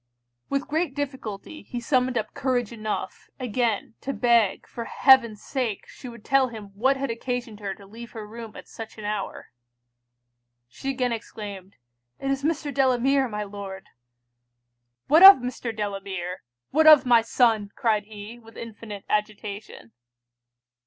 With great difficulty he summoned up courage enough, again to beg for heaven's sake she would tell him what had occasioned her to leave her room at such an hour? She again exclaimed, 'it is Mr. Delamere, my Lord!' 'What of Mr. Delamere? what of my son?' cried he, with infinite agitation.